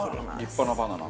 立派なバナナ。